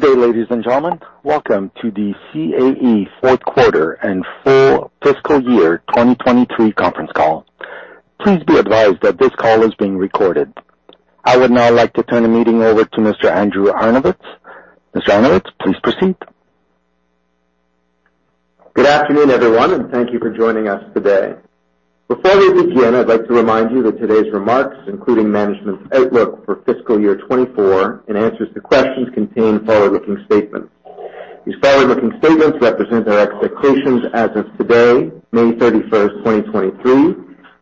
Good day, ladies and gentlemen. Welcome to the CAE fourth quarter and full fiscal year 2023 conference call. Please be advised that this call is being recorded. I would now like to turn the meeting over to Mr. Andrew Arnovitz. Mr. Arnovitz, please proceed. Good afternoon, everyone, and thank you for joining us today. Before we begin, I'd like to remind you that today's remarks, including management's outlook for fiscal year 2024 and answers to questions, contain forward-looking statements. These forward-looking statements represent our expectations as of today, May 31st, 2023,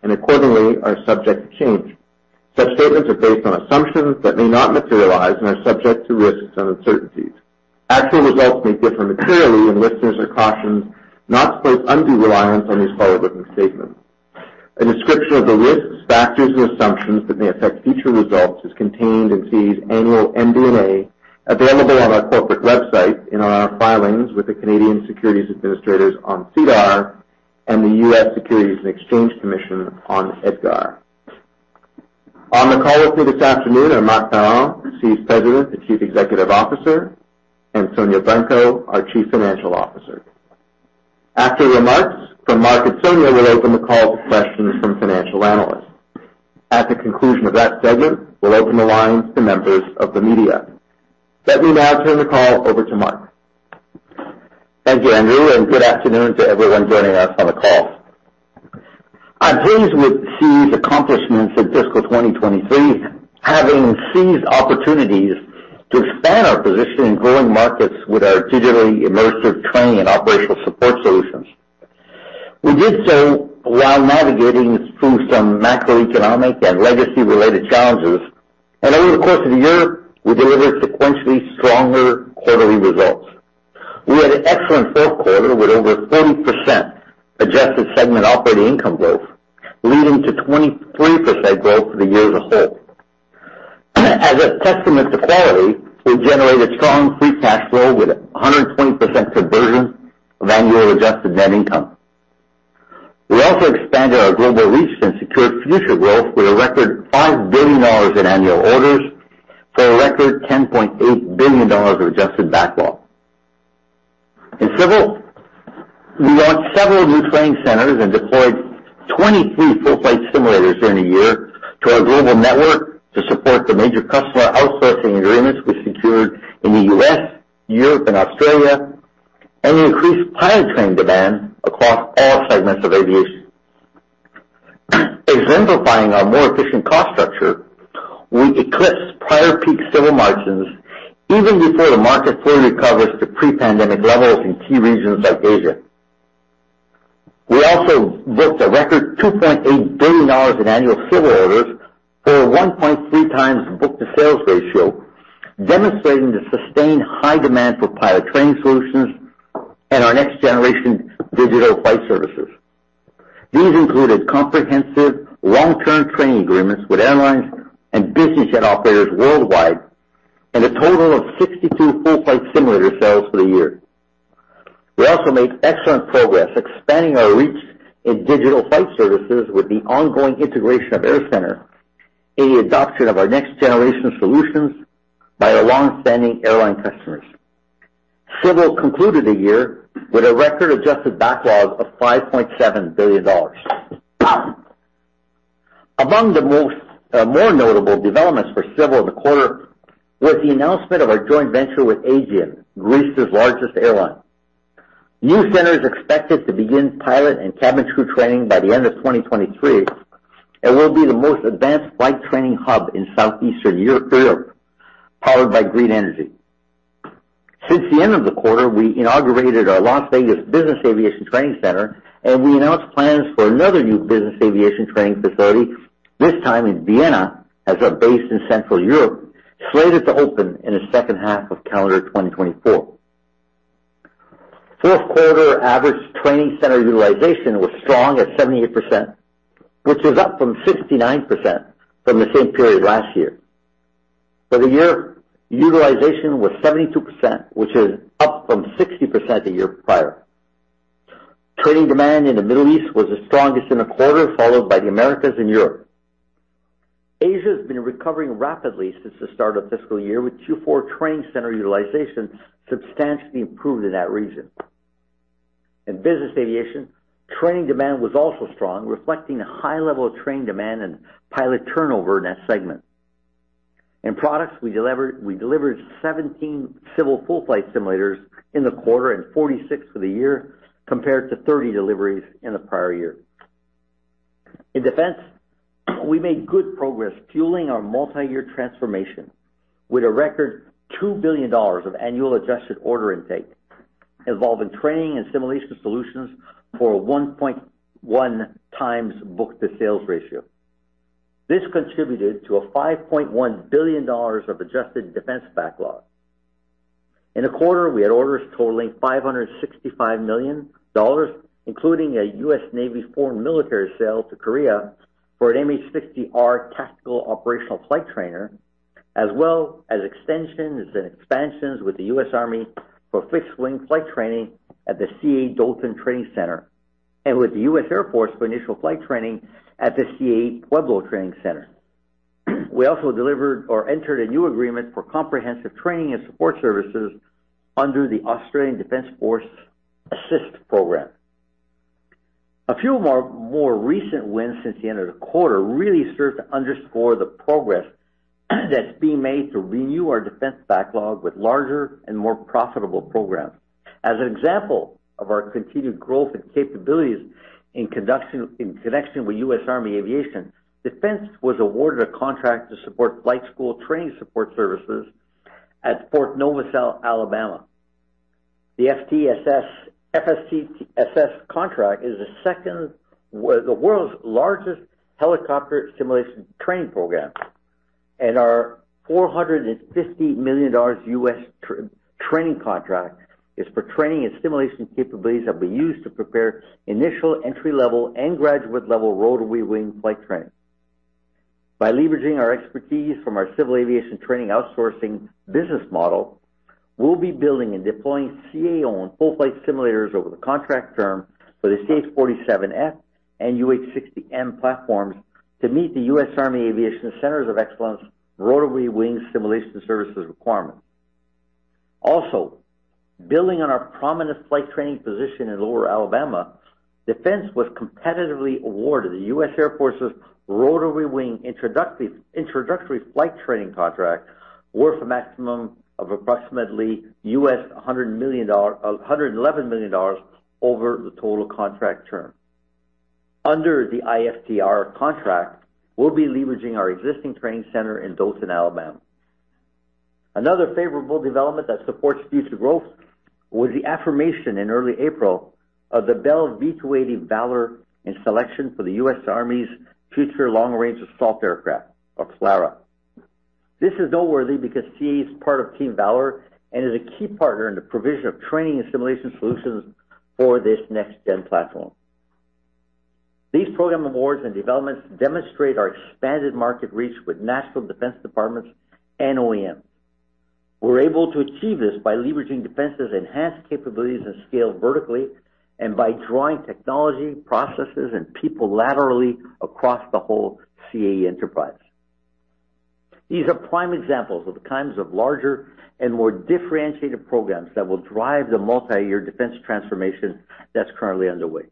and accordingly, are subject to change. Such statements are based on assumptions that may not materialize and are subject to risks and uncertainties. Actual results may differ materially. Listeners are cautioned not to place undue reliance on these forward-looking statements. A description of the risks, factors, and assumptions that may affect future results is contained in CAE's annual MD&A, available on our corporate website in our filings with the Canadian Securities Administrators on SEDAR and the US Securities and Exchange Commission on EDGAR. On the call with me this afternoon are Marc Parent, CAE's President and Chief Executive Officer, and Sonya Branco, our Chief Financial Officer. After remarks from Marc and Sonya, we'll open the call to questions from financial analysts. At the conclusion of that segment, we'll open the lines to members of the media. Let me now turn the call over to Marc. Thank you, Andrew. Good afternoon to everyone joining us on the call. I'm pleased with CAE's accomplishments in fiscal 2023, having seized opportunities to expand our position in growing markets with our digitally immersive training and operational support solutions. We did so while navigating through some macroeconomic and legacy-related challenges. Over the course of the year, we delivered sequentially stronger quarterly results. We had an excellent fourth quarter with over 40% adjusted segment operating income growth, leading to 23% growth for the year as a whole. As a testament to quality, we generated strong free cash flow with 120% conversion of annual adjusted net income. We also expanded our global reach. Secured future growth with a record 5 billion dollars in annual orders for a record 10.8 billion dollars of adjusted backlog. In civil, we launched several new training centers and deployed 23 full flight simulators during the year to our global network to support the major customer outsourcing agreements we secured in the U.S., Europe, and Australia, and increased pilot training demand across all segments of aviation. Exemplifying our more efficient cost structure, we eclipsed prior peak civil margins even before the market fully recovers to pre-pandemic levels in key regions like Asia. We also booked a record 2.8 billion dollars in annual civil orders for a 1.3 times book-to-sales ratio, demonstrating the sustained high demand for pilot training solutions and our next-generation digital flight services. These included comprehensive long-term training agreements with airlines and business jet operators worldwide and a total of 62 full flight simulator sales for the year. We also made excellent progress expanding our reach in digital flight services with the ongoing integration of AirCentre and the adoption of our next-generation solutions by our long-standing airline customers. Civil concluded the year with a record adjusted backlog of 5.7 billion dollars. Among the most more notable developments for civil in the quarter was the announcement of our joint venture with AEGEAN, Greece's largest airline. New center is expected to begin pilot and cabin crew training by the end of 2023 and will be the most advanced flight training hub in southeastern Europe, powered by green energy. Since the end of the quarter, we inaugurated our Las Vegas Business Aviation Training Center, and we announced plans for another new business aviation training facility, this time in Vienna, as a base in Central Europe, slated to open in the second half of calendar 2024. Fourth quarter average training center utilization was strong at 78%, which is up from 69% from the same period last year. For the year, utilization was 72%, which is up from 60% the year prior. Training demand in the Middle East was the strongest in a quarter, followed by the Americas and Europe. Asia has been recovering rapidly since the start of the fiscal year, with Q4 training center utilization substantially improved in that region. In business aviation, training demand was also strong, reflecting a high level of training demand and pilot turnover in that segment. In products we delivered, we delivered 17 civil full-flight simulators in the quarter and 46 for the year, compared to 30 deliveries in the prior year. In defense, we made good progress fueling our multi-year transformation with a record 2 billion dollars of annual adjusted order intake, involving training and simulation solutions for a 1.1 times book-to-sales ratio. This contributed to a 5.1 billion dollars of adjusted defense backlog. In the quarter, we had orders totaling 565 million dollars, including a US Navy foreign military sale to Korea for an MH-60R tactical operational flight trainer, as well as extensions and expansions with the U.S. Army for fixed-wing flight training at the CAE Dothan Training Center. With the U.S. Air Force for initial flight training at the CAE Pueblo Training Center. We also delivered or entered a new agreement for comprehensive training and support services under the Australian Defence Force ASIST program. A few more recent wins since the end of the quarter really serve to underscore the progress that's being made to renew our Defense backlog with larger and more profitable programs. As an example of our continued growth and capabilities in connection with US Army Aviation, Defense was awarded a contract to support Flight School Training Support Services at Fort Novosel, Alabama. The FSTSS contract is the world's largest helicopter simulation training program, and our $450 million US training contract is for training and simulation capabilities that will be used to prepare initial entry-level and graduate-level rotary wing flight training. By leveraging our expertise from our civil aviation training outsourcing business model, we'll be building and deploying CAE-owned full-flight simulators over the contract term for the CH-47F and UH-60M platforms to meet the U.S. Army Aviation Center of Excellence Rotary Wing Simulation Services requirement. Building on our prominent flight training position in Lower Alabama, Defense was competitively awarded the U.S. Air Force's Rotary Wing Introductory Flight Training contract, worth a maximum of approximately $111 million over the total contract term. Under the IFT-R contract, we'll be leveraging our existing training center in Dothan, Alabama. Another favorable development that supports future growth was the affirmation in early April of the Bell V-280 Valor and selection for the U.S. Army's Future Long-Range Assault Aircraft, or FLRAA. This is noteworthy because CAE is part of Team Valor and is a key partner in the provision of training and simulation solutions for this next-gen platform. These program awards and developments demonstrate our expanded market reach with national defense departments and OEMs. We're able to achieve this by leveraging Defense's enhanced capabilities and scale vertically and by drawing technology, processes, and people laterally across the whole CAE enterprise. These are prime examples of the kinds of larger and more differentiated programs that will drive the multiyear defense transformation that's currently underway.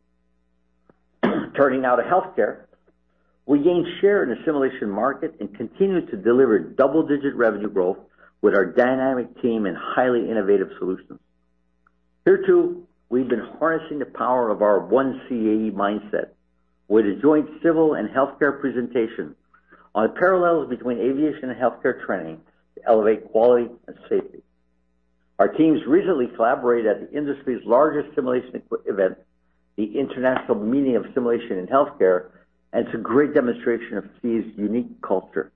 Turning now to healthcare, we gained share in the simulation market and continued to deliver double-digit revenue growth with our dynamic team and highly innovative solutions. Here, too, we've been harnessing the power of our one CAE mindset with a joint civil and healthcare presentation on the parallels between aviation and healthcare training to elevate quality and safety. Our teams recently collaborated at the industry's largest simulation event, the International Meeting on Simulation in Healthcare. It's a great demonstration of CAE's unique culture.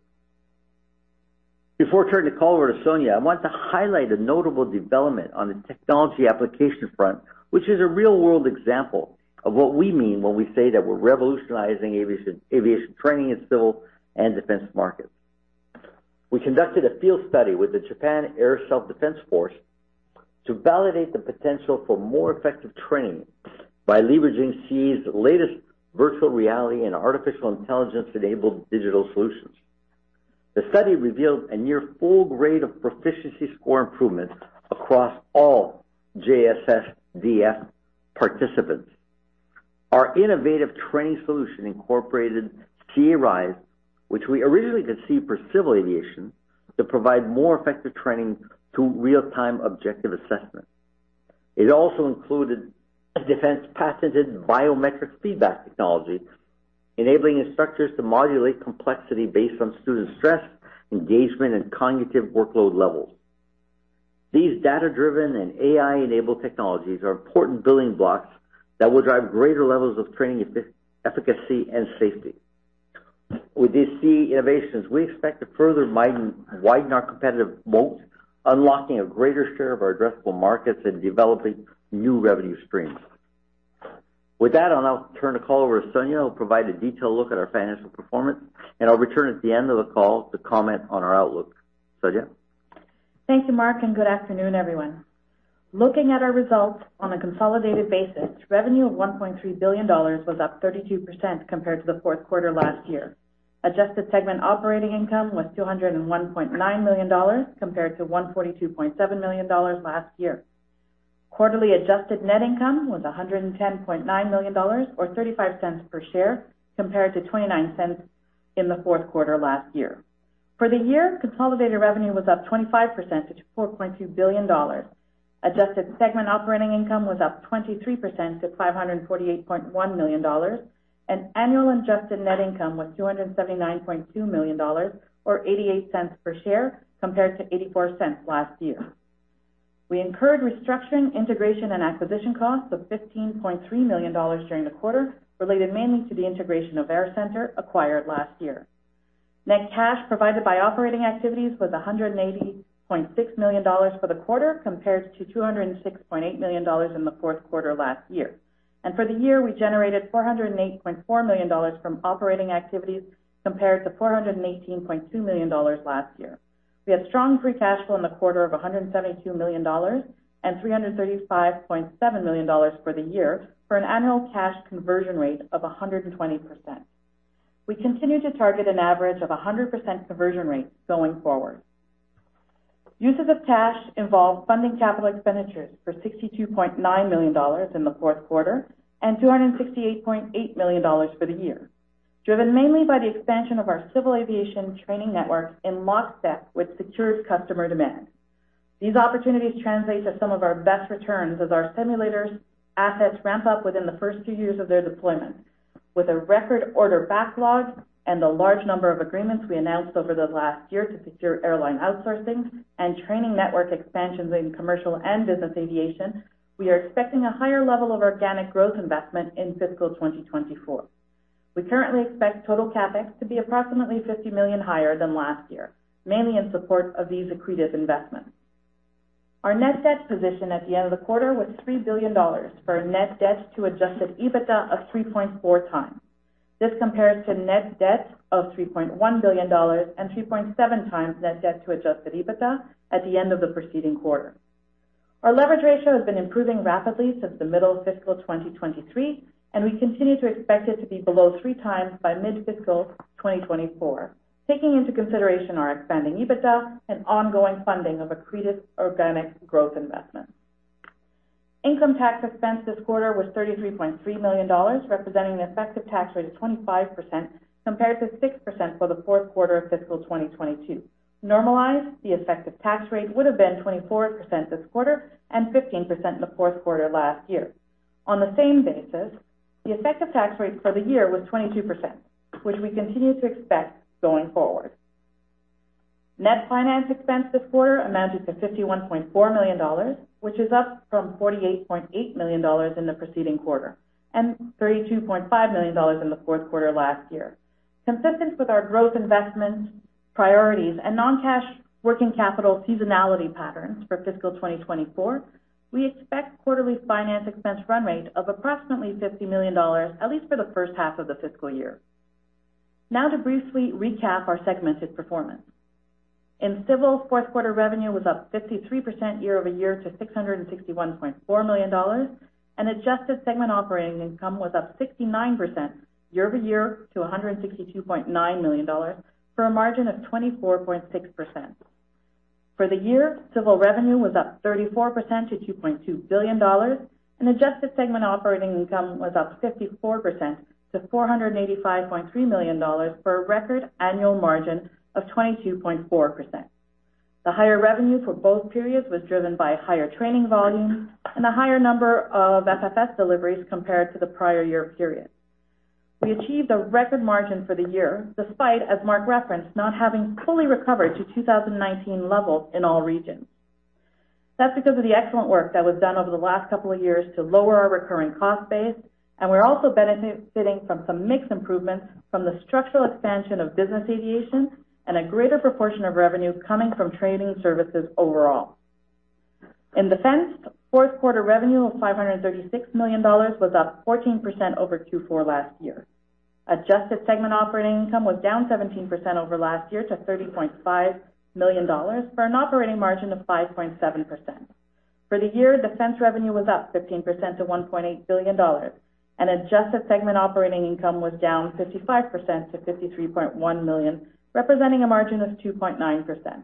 Before turning the call over to Sonya, I want to highlight a notable development on the technology application front, which is a real-world example of what we mean when we say that we're revolutionizing aviation training in civil and defense markets. We conducted a field study with the Japan Air Self-Defense Force to validate the potential for more effective training by leveraging CAE's latest virtual reality and artificial intelligence-enabled digital solutions. The study revealed a near full grade of proficiency score improvement across all JASDF participants. Our innovative training solution incorporated CAE Rise, which we originally conceived for civil aviation, to provide more effective training through real-time objective assessment. It also included a defense-patented biometric feedback technology, enabling instructors to modulate complexity based on student stress, engagement, and cognitive workload levels. These data-driven and AI-enabled technologies are important building blocks that will drive greater levels of training efficacy and safety. With these CAE innovations, we expect to further widen our competitive moat, unlocking a greater share of our addressable markets and developing new revenue streams. I'll now turn the call over to Sonya, who'll provide a detailed look at our financial performance, and I'll return at the end of the call to comment on our outlook. Sonya. Thank you, Marc Parent, and good afternoon, everyone. Looking at our results on a consolidated basis, revenue of 1.3 billion dollars was up 32% compared to the fourth quarter last year. Adjusted segment operating income was 201.9 million dollars, compared to 142.7 million dollars last year. Quarterly adjusted net income was 110.9 million dollars, or 0.35 per share, compared to 0.29 in the fourth quarter last year. For the year, consolidated revenue was up 25% to 4.2 billion dollars. Adjusted segment operating income was up 23% to 548.1 million dollars, and annual adjusted net income was 279.2 million dollars, or 0.88 per share, compared to 0.84 last year. We incurred restructuring, integration, and acquisition costs of $15.3 million during the quarter, related mainly to the integration of AirCentre, acquired last year. Net cash provided by operating activities was $180.6 million for the quarter, compared to $206.8 million in the fourth quarter last year. For the year, we generated $408.4 million from operating activities, compared to $418.2 million last year. We had strong free cash flow in the quarter of $172 million, and $335.7 million for the year, for an annual cash conversion rate of 120%. We continue to target an average of 100% conversion rate going forward. Uses of cash involve funding capital expenditures for 62.9 million dollars in the fourth quarter, and 268.8 million dollars for the year, driven mainly by the expansion of our civil aviation training network in lockstep with secured customer demand. These opportunities translate to some of our best returns as our simulators assets ramp up within the first two years of their deployment. With a record order backlog and the large number of agreements we announced over the last year to secure airline outsourcing and training network expansions in commercial and business aviation, we are expecting a higher level of organic growth investment in fiscal 2024. We currently expect total CapEx to be approximately 50 million higher than last year, mainly in support of these accretive investments. Our net debt position at the end of the quarter was 3 billion dollars, for a net debt to adjusted EBITDA of 3.4 times. This compares to net debt of 3.1 billion dollars and 3.7 times net debt to adjusted EBITDA at the end of the preceding quarter. Our leverage ratio has been improving rapidly since the middle of fiscal 2023, and we continue to expect it to be below three times by mid-fiscal 2024, taking into consideration our expanding EBITDA and ongoing funding of accretive organic growth investment. Income tax expense this quarter was 33.3 million dollars, representing an effective tax rate of 25%, compared to 6% for the fourth quarter of fiscal 2022. Normalized, the effective tax rate would have been 24% this quarter and 15% in the fourth quarter last year. On the same basis, the effective tax rate for the year was 22%, which we continue to expect going forward. Net finance expense this quarter amounted to 51.4 million dollars, which is up from 48.8 million dollars in the preceding quarter, and 32.5 million dollars in the fourth quarter last year. Consistent with our growth investment priorities and non-cash working capital seasonality patterns for fiscal 2024, we expect quarterly finance expense run rate of approximately 50 million dollars, at least for the first half of the fiscal year. To briefly recap our segmented performance. In civil, fourth quarter revenue was up 53% year-over-year to 661.4 million dollars. Adjusted segment operating income was up 69% year-over-year to 162.9 million dollars, for a margin of 24.6%. For the year, civil revenue was up 34% to 2.2 billion dollars. Adjusted segment operating income was up 54% to 485.3 million dollars for a record annual margin of 22.4%. The higher revenue for both periods was driven by higher training volumes and a higher number of FFS deliveries compared to the prior year period. We achieved a record margin for the year, despite, as Marc referenced, not having fully recovered to 2019 levels in all regions. That's because of the excellent work that was done over the last couple of years to lower our recurring cost base. We're also benefiting from some mix improvements from the structural expansion of business aviation and a greater proportion of revenue coming from training services overall. In Defense, fourth quarter revenue of $536 million was up 14% over Q4 last year. Adjusted segment operating income was down 17% over last year to $30.5 million, for an operating margin of 5.7%. For the year, Defense revenue was up 15% to $1.8 billion, and adjusted segment operating income was down 55% to $53.1 million, representing a margin of 2.9%.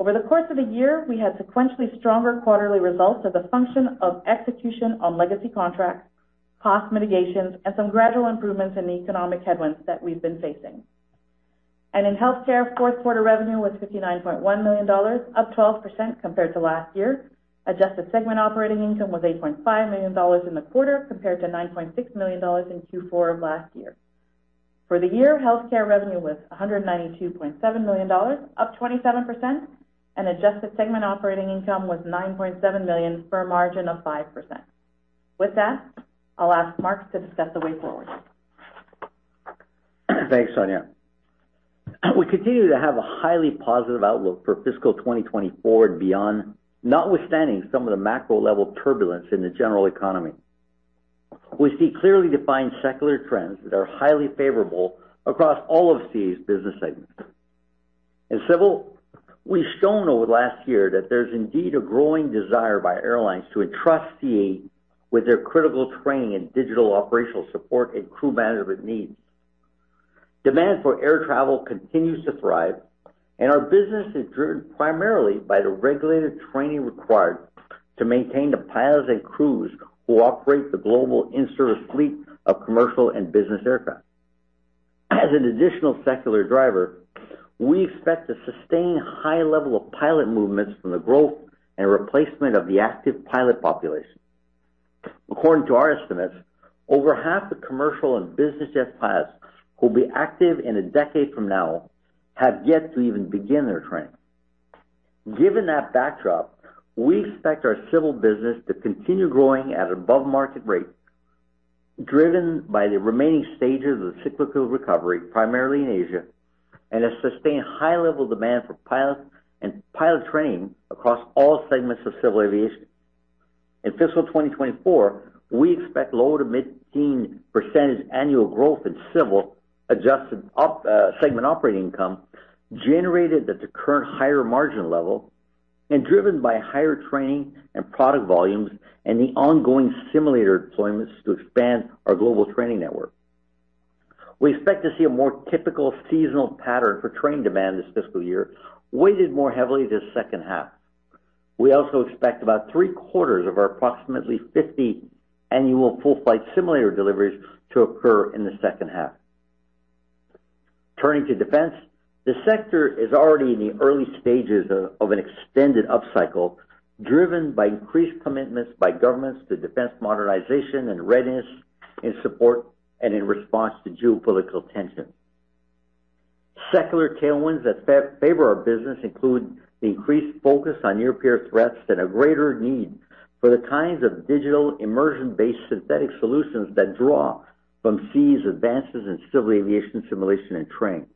Over the course of the year, we had sequentially stronger quarterly results as a function of execution on legacy contracts, cost mitigations, and some gradual improvements in the economic headwinds that we've been facing. In healthcare, fourth quarter revenue was 59.1 million dollars, up 12% compared to last year. Adjusted segment operating income was 8.5 million dollars in the quarter, compared to 9.6 million dollars in Q4 of last year. For the year, healthcare revenue was 192.7 million dollars, up 27%, and adjusted segment operating income was 9.7 million, for a margin of 5%. With that, I'll ask Marc to discuss the way forward. Thanks, Sonya. We continue to have a highly positive outlook for fiscal 2024 and beyond, notwithstanding some of the macro level turbulence in the general economy. We see clearly defined secular trends that are highly favorable across all of CAE's business segments. In civil, we've shown over the last year that there's indeed a growing desire by airlines to entrust CAE with their critical training and digital operational support and crew management needs. Demand for air travel continues to thrive, and our business is driven primarily by the regulated training required to maintain the pilots and crews who operate the global in-service fleet of commercial and business aircraft. As an additional secular driver, we expect to sustain high level of pilot movements from the growth and replacement of the active pilot population. According to our estimates, over half the commercial and business jet pilots who will be active in a decade from now have yet to even begin their training. Given that backdrop, we expect our civil business to continue growing at above market rate, driven by the remaining stages of cyclical recovery, primarily in Asia, and a sustained high-level demand for pilot and pilot training across all segments of civil aviation. In fiscal 2024, we expect low to mid-teen % annual growth in civil adjusted segment operating income, generated at the current higher margin level, and driven by higher training and product volumes, and the ongoing simulator deployments to expand our global training network. We expect to see a more typical seasonal pattern for training demand this fiscal year, weighted more heavily this second half. We also expect about three-quarters of our approximately 50 annual full-flight simulator deliveries to occur in the second half. Turning to defense, the sector is already in the early stages of an extended upcycle, driven by increased commitments by governments to defense modernization and readiness, in support, and in response to geopolitical tension. Secular tailwinds that favor our business include the increased focus on near-peer threats and a greater need for the kinds of digital immersion-based synthetic solutions that draw from CAE's advances in civil aviation, simulation, and training.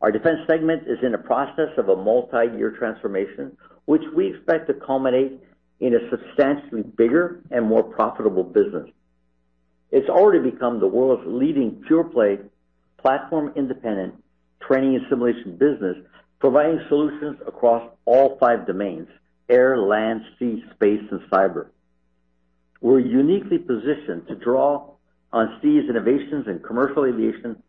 Our defense segment is in the process of a multiyear transformation, which we expect to culminate in a substantially bigger and more profitable business. It's already become the world's leading pure-play, platform-independent, training and simulation business, providing solutions across all five domains: air, land, sea, space, and cyber. We're uniquely positioned to draw on CAE's innovations in commercial aviation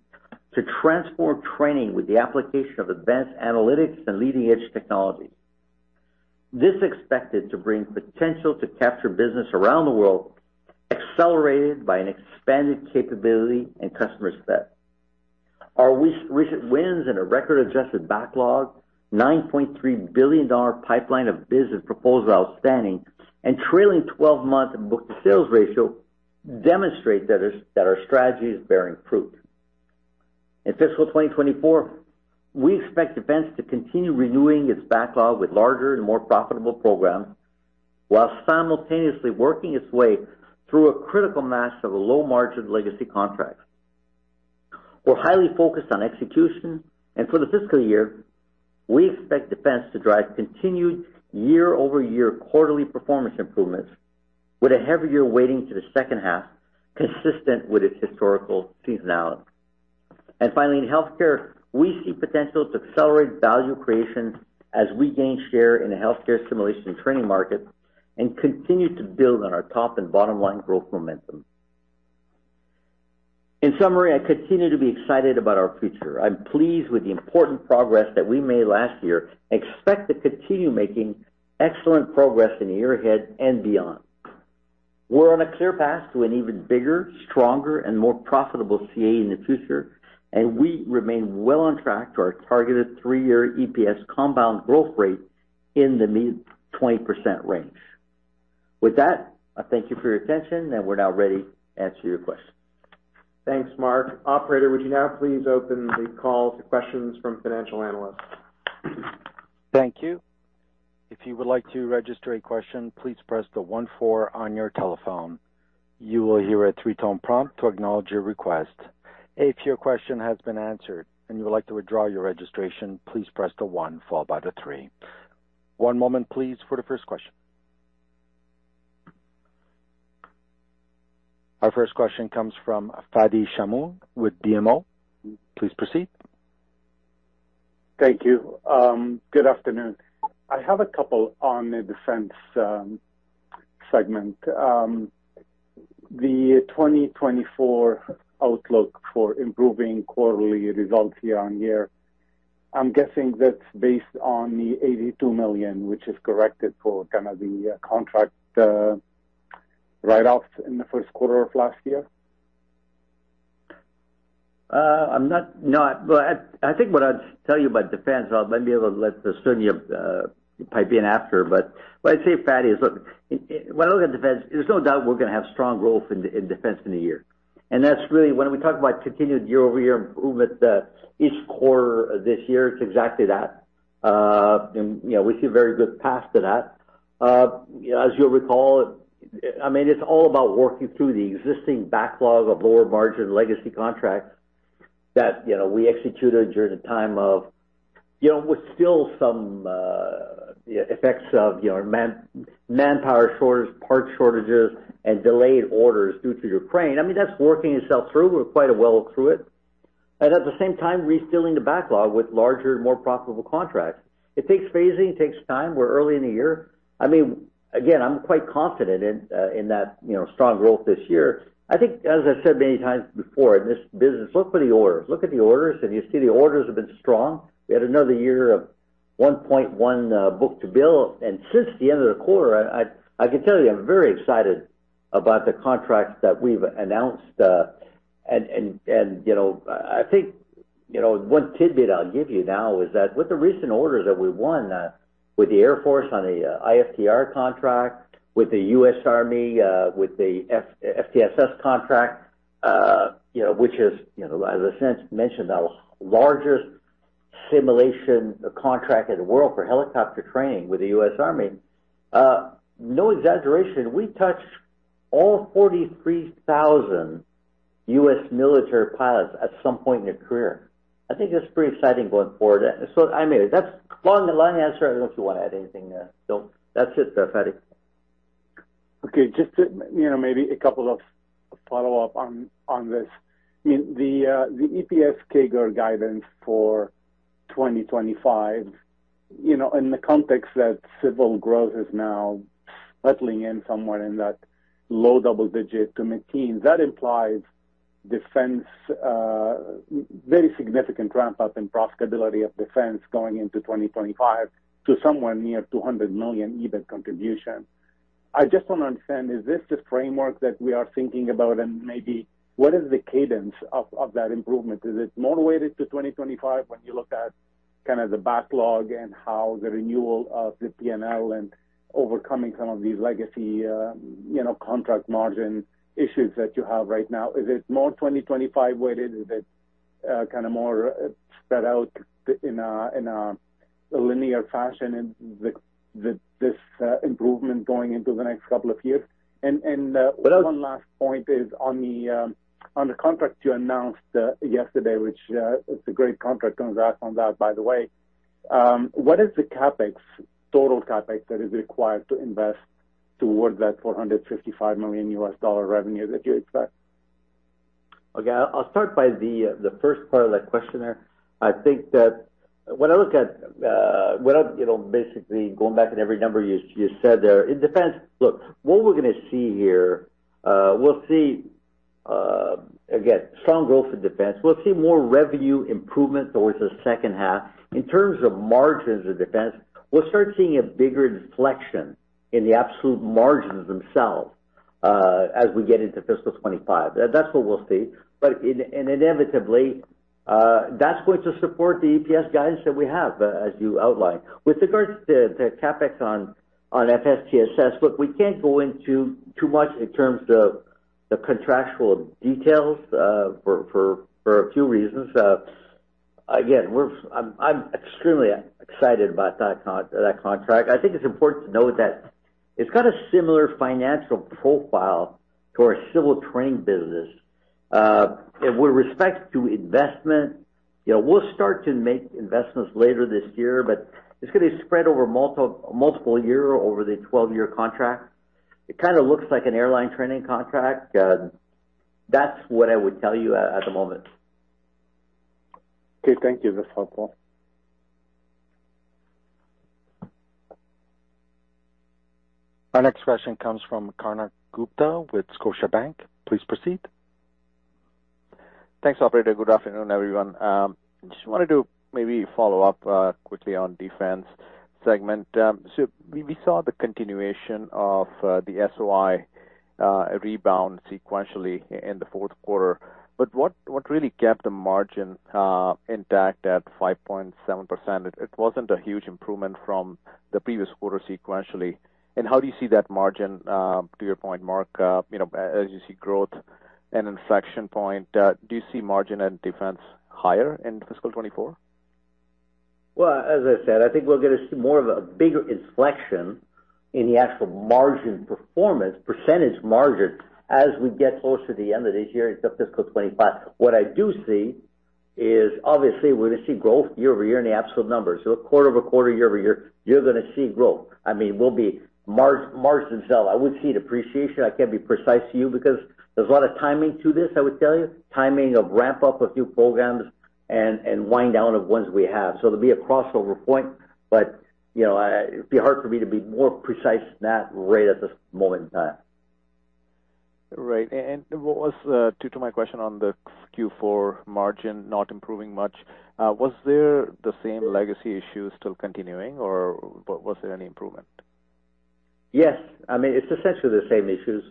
to transform training with the application of advanced analytics and leading-edge technologies. This is expected to bring potential to capture business around the world, accelerated by an expanded capability and customer set. Our recent wins and a record-adjusted backlog, CAD 9.3 billion pipeline of business proposals outstanding, and trailing twelve-month book-to-sales ratio, demonstrate that our strategy is bearing fruit. In fiscal 2024, we expect defense to continue renewing its backlog with larger and more profitable programs, while simultaneously working its way through a critical mass of low-margin legacy contracts. We're highly focused on execution, and for the fiscal year, we expect defense to drive continued year-over-year quarterly performance improvements, with a heavier weighting to the second half, consistent with its historical seasonality. Finally, in healthcare, we see potential to accelerate value creation as we gain share in the healthcare simulation and training market, and continue to build on our top and bottom-line growth momentum. In summary, I continue to be excited about our future. I'm pleased with the important progress that we made last year, and expect to continue making excellent progress in the year ahead and beyond. We're on a clear path to an even bigger, stronger, and more profitable CAE in the future. We remain well on track to our targeted three year EPS compound growth rate in the mid-20% range. With that, I thank you for your attention. We're now ready to answer your questions. Thanks, Marc. Operator, would you now please open the call to questions from financial analysts? Thank you. If you would like to register a question, please press the one four on your telephone. You will hear a a three-tone prompt to acknowledge your request. If your question has been answered and you would like to withdraw your registration, please press the one followed by the three. One moment, please, for the first question. Our first question comes from Fadi Chamoun with BMO. Please proceed. Thank you. Good afternoon. I have a couple on the defense segment. The 2024 outlook for improving quarterly results year-on-year, I'm guessing that's based on the 82 million, which is corrected for kind of the contract write-offs in the first quarter of last year? I'm not... Well, I think what I'd tell you about defense, I'll maybe able to let the Sonya pipe in after, but what I'd say, Fadi, is look, when I look at defense, there's no doubt we're going to have strong growth in defense in the year. That's really, when we talk about continued year-over-year improvement, each quarter this year, it's exactly that. You know, we see a very good path to that. As you'll recall, I mean, it's all about working through the existing backlog of lower-margin legacy contracts that, you know, we executed during the time of, you know, with still some effects of, you know, manpower shortages, parts shortages, and delayed orders due to Ukraine. I mean, that's working itself through. We're quite well through it. At the same time, refilling the backlog with larger, more profitable contracts. It takes phasing, it takes time. We're early in the year. I mean, again, I'm quite confident in that, you know, strong growth this year. I think, as I said many times before, in this business, look for the orders. Look at the orders, and you see the orders have been strong. We had another year of 1.1 book-to-bill, and since the end of the quarter, I can tell you, I'm very excited about the contracts that we've announced. You know, I think, you know, one tidbit I'll give you now is that with the recent orders that we won with the Air Force on the IFT-R contract, with the U.S. Army, with the FSTSS contract, you know, which is as I mentioned, the largest simulation contract in the world for helicopter training with the U.S. Army, no exaggeration, we touched all 43,000 US military pilots at some point in their career. I think that's pretty exciting going forward. I mean, that's long, a long answer. I don't know if you want to add anything there. That's it, Fadi. Okay. Just to, you know, maybe a couple of follow-up on this. In the EPS CAGR guidance for 2025, you know, in the context that civil growth is now settling in somewhere in that low double digit to mid-teen, that implies defense, very significant ramp up in profitability of defense going into 2025 to somewhere near 200 million EBIT contribution. I just want to understand, is this the framework that we are thinking about? Maybe what is the cadence of that improvement? Is it more weighted to 2025 when you look at kind of the backlog and how the renewal of the P&L and overcoming some of these legacy, you know, contract margin issues that you have right now? Is it more 2025 weighted? Is it, kind of more spread out in a, in a linear fashion and the, this, improvement going into the next couple of years? Well One last point is on the on the contract you announced yesterday, which it's a great contract. Congrats on that, by the way. What is the CapEx, total CapEx that is required to invest towards that $455 million revenue that you expect? I'll start by the first part of that question there. I think that when I look at, when I, you know, basically going back in every number you said there, in defense. What we're gonna see here, we'll see, again, strong growth in defense. We'll see more revenue improvement towards the second half. In terms of margins of defense, we'll start seeing a bigger inflection in the absolute margins themselves, as we get into fiscal 25. Inevitably, that's going to support the EPS guidance that we have, as you outlined. With regards to CapEx on FSTSS, look, we can't go into too much in terms of the contractual details, for a few reasons. I'm extremely excited about that contract. I think it's important to note that it's got a similar financial profile to our civil training business. With respect to investment, you know, we'll start to make investments later this year, but it's gonna be spread over multiple year over the 12-year contract. It kind of looks like an airline training contract. That's what I would tell you at the moment. Okay, thank you. That's helpful. Our next question comes from Konark Gupta with Scotiabank. Please proceed. Thanks, operator. Good afternoon, everyone. Just wanted to maybe follow up quickly on Defense segment. We saw the continuation of the SOI rebound sequentially in the fourth quarter, but what really kept the margin intact at 5.7%? It wasn't a huge improvement from the previous quarter sequentially. How do you see that margin to your point, Marc, you know, as you see growth and inflection point, do you see margin and Defense higher in fiscal 2024? As I said, I think we'll get more of a bigger inflection in the actual margin performance, percentage margin, as we get closer to the end of this year into fiscal 2025. What I do see is, obviously, we're going to see growth year-over-year in the absolute numbers. Quarter-over-quarter, year-over-year, you're gonna see growth. I mean, we'll be margin itself. I would see depreciation. I can't be precise to you because there's a lot of timing to this, I would tell you. Timing of ramp up a few programs and wind down of ones we have. There'll be a crossover point, but, you know, it'd be hard for me to be more precise than that right at this moment in time. Right. What was to my question on the Q4 margin not improving much, was there the same legacy issue still continuing, or was there any improvement? Yes. I mean, it's essentially the same issues.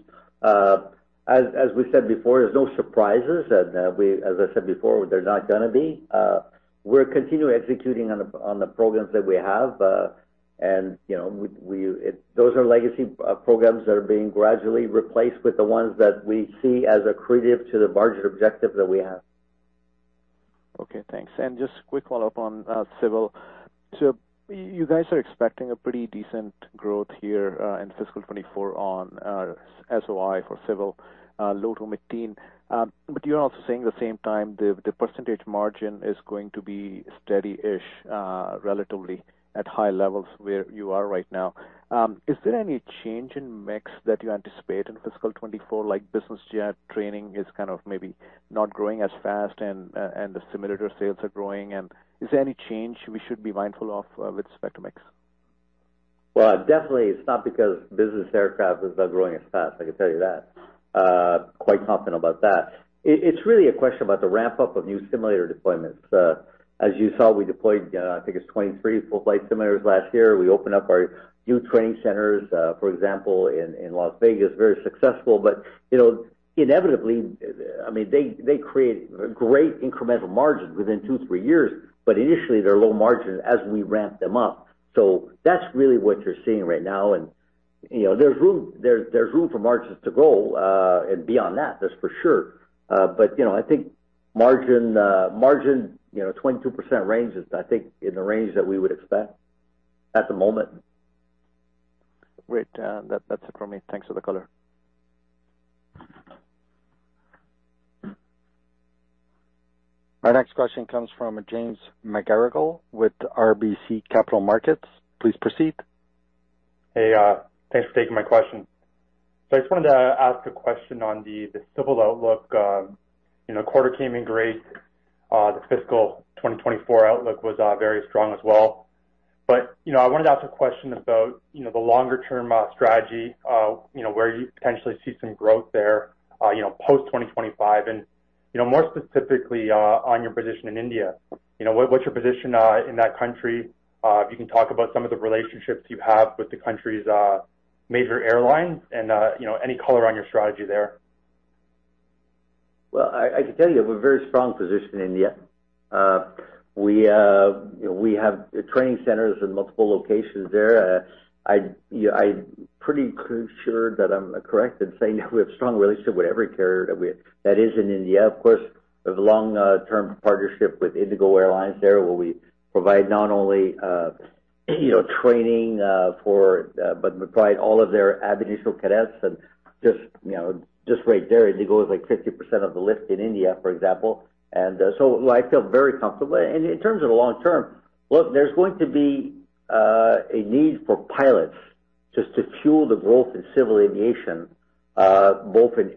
As we said before, there's no surprises, and as I said before, there's not gonna be. We're continuing executing on the programs that we have, and, you know, we those are legacy programs that are being gradually replaced with the ones that we see as accretive to the margin objective that we have. Okay, thanks. Just quick follow-up on civil. You guys are expecting a pretty decent growth here in fiscal 2024 on SOI for civil, low to mid-teen. But you're also saying the same time the percentage margin is going to be steady-ish, relatively at high levels where you are right now. Is there any change in mix that you anticipate in fiscal 2024, like business jet training is kind of maybe not growing as fast and the simulator sales are growing? Is there any change we should be mindful of with respect to mix? Well, definitely it's not because business aircraft has been growing as fast, I can tell you that. Quite confident about that. It's really a question about the ramp-up of new simulator deployments. As you saw, we deployed, I think it's 23 full-flight simulators last year. We opened up our new training centers, for example, in Las Vegas. Very successful, you know, inevitably, I mean, they create great incremental margins within two to three years, but initially, they're low margin as we ramp them up. That's really what you're seeing right now, you know, there's room, there's room for margins to grow, beyond that's for sure. You know, I think margin, you know, 22% range is, I think, in the range that we would expect at the moment. Great, that's it for me. Thanks for the color. Our next question comes from James McGarragle with RBC Capital Markets. Please proceed. Hey, thanks for taking my question. I just wanted to ask a question on the civil outlook. You know, quarter came in great. The fiscal 2024 outlook was very strong as well. You know, I wanted to ask a question about, you know, the longer-term strategy, you know, where you potentially see some growth there, you know, post 2025, and, you know, more specifically, on your position in India. You know, what's your position in that country? If you can talk about some of the relationships you have with the country's major airlines and, you know, any color on your strategy there. Well, I can tell you we have a very strong position in India. We, you know, we have training centers in multiple locations there. I, you know, I'm pretty sure that I'm correct in saying we have a strong relationship with every carrier that is in India. Of course, we have a long term partnership with IndiGo there, where we provide not only, you know, training for, but provide all of their ab initio cadets and you know, just right there, IndiGo is, like, 50% of the lift in India, for example. So I feel very comfortable. In terms of the long term, look, there's going to be a need for pilots just to fuel the growth in civil aviation, both in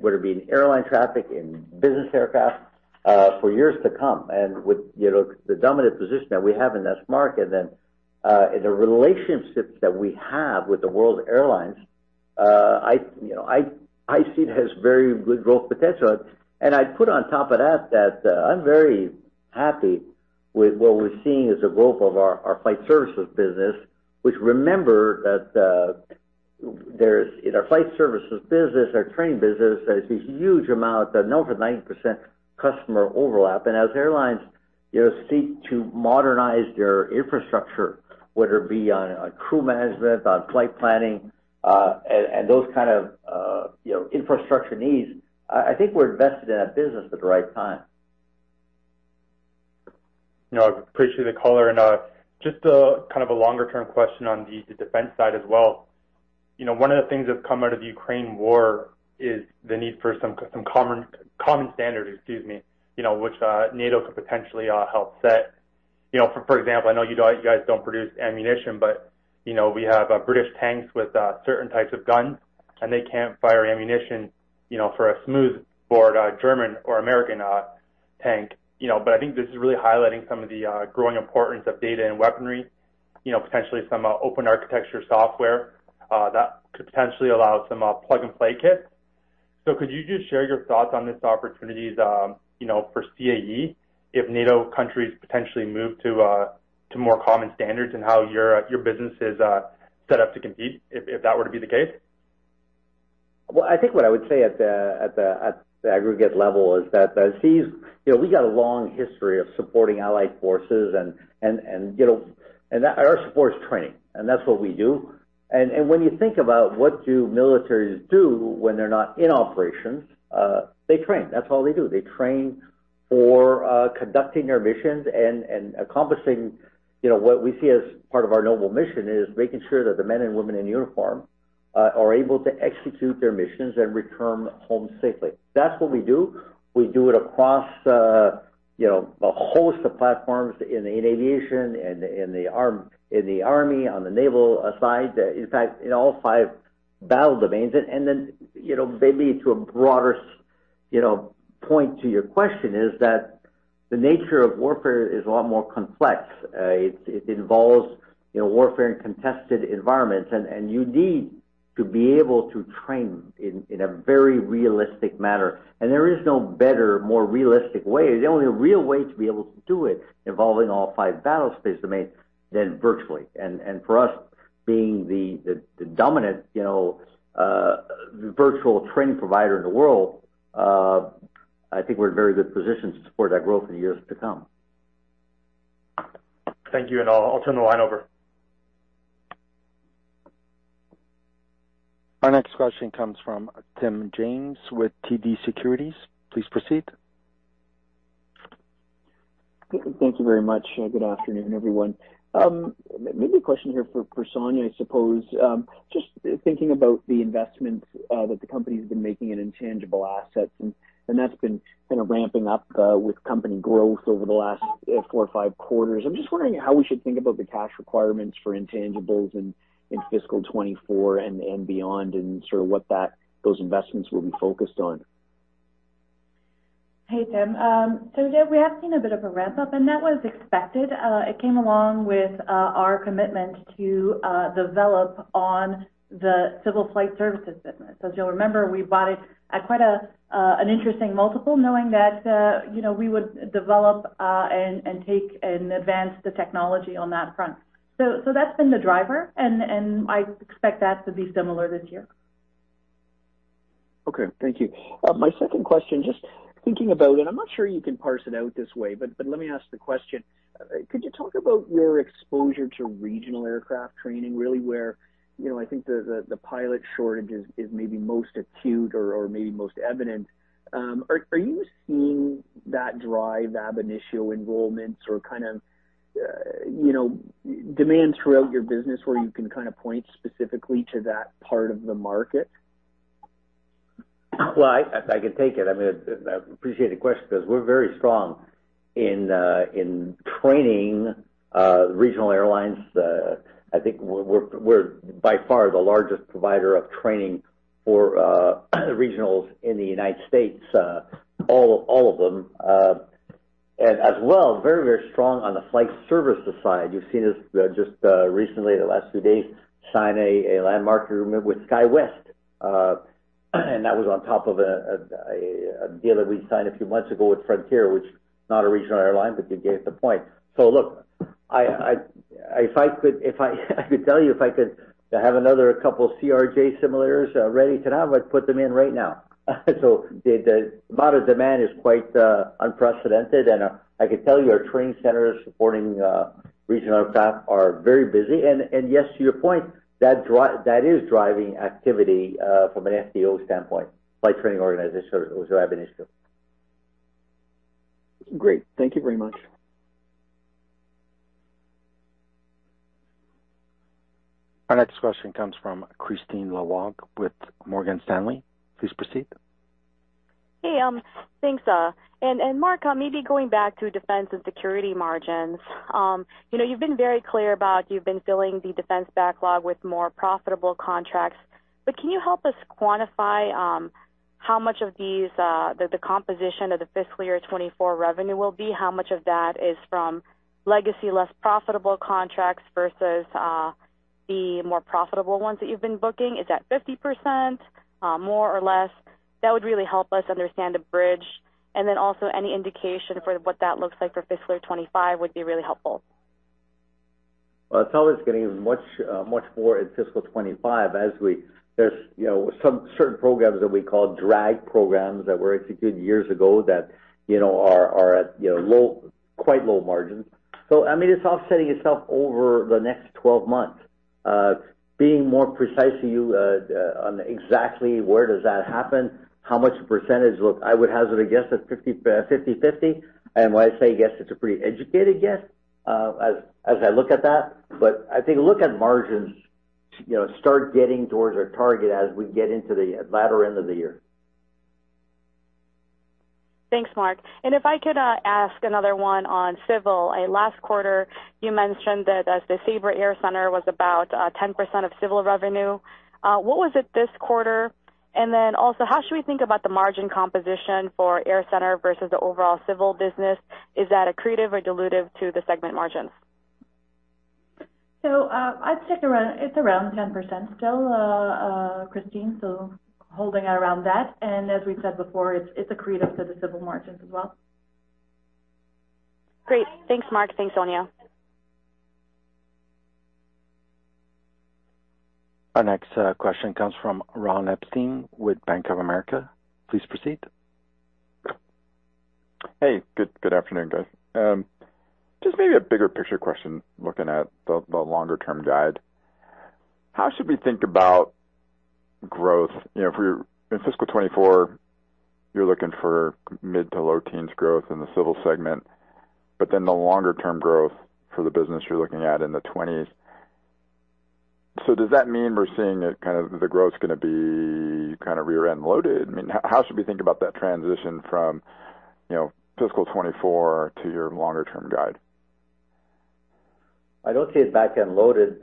whether it be in airline traffic, in business aircraft, for years to come. With, you know, the dominant position that we have in this market and the relationships that we have with the world's airlines, I, you know, I see it has very good growth potential. I'd put on top of that I'm very happy with what we're seeing as the growth of our flight services business, which remember that there's, in our flight services business, our training business, there's this huge amount, over 90% customer overlap. As airlines, you know, seek to modernize their infrastructure, whether it be on crew management, on flight planning, and those kind of, you know, infrastructure needs, I think we're invested in that business at the right time. You know, I appreciate the color. Just a kind of a longer-term question on the defense side as well. You know, one of the things that's come out of the Ukraine war is the need for some common standard, excuse me, you know, which NATO could potentially help set. You know, for example, I know you guys don't produce ammunition, but, you know, we have British tanks with certain types of guns, and they can't fire ammunition, you know, for a smooth-bore German or American tank, you know. I think this is really highlighting some of the growing importance of data and weaponry, you know, potentially some open architecture software that could potentially allow some plug-and-play kits. Could you just share your thoughts on this opportunities, you know, for CAE, if NATO countries potentially move to more common standards, and how your business is set up to compete, if that were to be the case? Well, I think what I would say at the aggregate level is that CAE's. You know, we got a long history of supporting allied forces and our support is training, and that's what we do. When you think about what do militaries do when they're not in operations, they train. That's all they do. They train for conducting their missions and accomplishing, you know, what we see as part of our noble mission is making sure that the men and women in uniform are able to execute their missions and return home safely. That's what we do. We do it across, you know, a host of platforms in aviation and in the army, on the naval side, in fact, in all five battle domains. You know, maybe to a broader, you know, point to your question is that the nature of warfare is a lot more complex. It involves, you know, warfare in contested environments, and you need to be able to train in a very realistic manner. There is no better, more realistic way, the only real way to be able to do it, involving all five battlespace domains, than virtually. For us, being the dominant, you know, virtual training provider in the world, I think we're in a very good position to support that growth in the years to come. Thank you, and I'll turn the line over. Our next question comes from Tim James with TD Securities. Please proceed. Thank you very much. Good afternoon, everyone. Maybe a question here for Sonya Branco, I suppose. Just thinking about the investments that the company's been making in intangible assets, and that's been kind of ramping up with company growth over the last four or five quarters, I'm just wondering how we should think about the cash requirements for intangibles in fiscal 2024 and beyond, and sort of what those investments will be focused on? Hey, Tim. Yeah, we have seen a bit of a ramp-up, and that was expected. It came along with our commitment to develop on the civil flight services business. As you'll remember, we bought it at quite an interesting multiple, knowing that, you know, we would develop and take and advance the technology on that front. That's been the driver, and I expect that to be similar this year. Okay. Thank you. My second question, just thinking about it, I'm not sure you can parse it out this way, but let me ask the question. Could you talk about your exposure to regional aircraft training, really where, you know, I think the pilot shortage is maybe most acute or maybe most evident? Are you seeing that drive ab initio enrollments or kind of, you know, demands throughout your business where you can kind of point specifically to that part of the market? I can take it. I mean, I appreciate the question, because we're very strong in training regional airlines. I think we're by far the largest provider of training for regionals in the United States, all of them. As well, very, very strong on the flight services side. You've seen us just recently, the last few days, sign a landmark agreement with SkyWest. That was on top of a deal that we signed a few months ago with Frontier, which is not a regional airline, but you get the point. Look, I, if I could, if I could tell you if I could have another couple CRJ simulators ready today, I would put them in right now. The amount of demand is quite unprecedented, and I can tell you our training centers supporting regional aircraft are very busy. Yes, to your point, that is driving activity from an FTO standpoint, flight training organization or ab initio. Great. Thank you very much. Our next question comes from Kristine Liwag with Morgan Stanley. Please proceed. Hey, thanks, and Marc, maybe going back to defense and security margins. You know, you've been very clear about you've been filling the defense backlog with more profitable contracts, but can you help us quantify, how much of these, the composition of the fiscal year 2024 revenue will be? How much of that is from legacy, less profitable contracts versus, the more profitable ones that you've been booking? Is that 50%, more or less? That would really help us understand the bridge, and then also any indication for what that looks like for fiscal 2025 would be really helpful. Well, it's always getting much, much more in fiscal 2025 as there's, you know, some certain programs that we call drag programs that were executed years ago that, you know, are at, you know, low, quite low margins. I mean, it's offsetting itself over the next 12 months. Being more precise to you on exactly where does that happen, how much percentage? Look, I would hazard a guess at 50/50, and when I say guess, it's a pretty educated guess as I look at that. I think look at margins, you know, start getting towards our target as we get into the latter end of the year. Thanks, Marc. If I could ask another one on civil. Last quarter, you mentioned that the Sabre AirCentre was about 10% of civil revenue. What was it this quarter? Also, how should we think about the margin composition for AirCenter versus the overall civil business? Is that accretive or dilutive to the segment margins? I'd say around, it's around 10% still, Kristine, so holding around that, and as we said before, it's accretive to the civil margins as well. Great. Thanks, Marc. Thanks, Sonya. Our next question comes from Ron Epstein with Bank of America. Please proceed. Hey, good afternoon, guys. Just maybe a bigger picture question, looking at the longer term guide. How should we think about growth? You know, if we're in fiscal 2024, you're looking for mid-to-low teens growth in the civil segment, but then the longer term growth for the business you're looking at in the 20s. Does that mean we're seeing that kind of the growth is gonna be kind of rear-end loaded? I mean, how should we think about that transition from, you know, fiscal 2024 to your longer-term guide? I don't see it back-end loaded,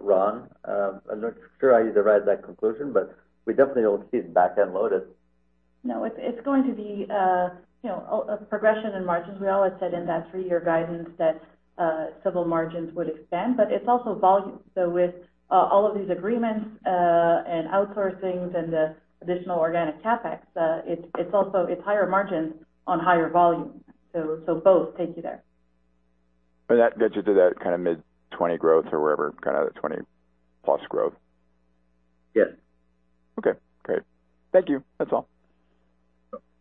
Ron. I'm not sure I derive that conclusion, but we definitely don't see it back-end loaded. No, it's going to be, you know, a progression in margins. We always said in that three-year guidance that civil margins would expand, but it's also volume. With all of these agreements, and outsourcing and the additional organic CapEx, it's also, it's higher margins on higher volume. Both take you there. That gets you to that kind of mid-20 growth or wherever, kind of 20-plus growth? Yes. Okay, great. Thank you. That's all.